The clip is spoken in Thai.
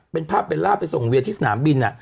เป็นภาพเบลล่าไปส่งเวียที่สนามบิน